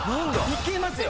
いけますよ！